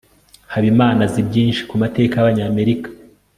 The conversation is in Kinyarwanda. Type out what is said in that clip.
habimana azi byinshi ku mateka y'abanyamerika